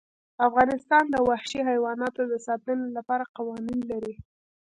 افغانستان د وحشي حیواناتو د ساتنې لپاره قوانین لري.